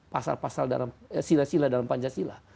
pasal pasal dalam sila sila dalam pancasila